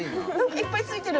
いっぱい付いてる。